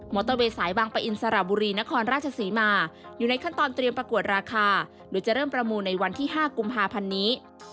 อเตอร์เวย์สายบางปะอินสระบุรีนครราชศรีมาอยู่ในขั้นตอนเตรียมประกวดราคาหรือจะเริ่มประมูลในวันที่๕กุมภาพันธ์นี้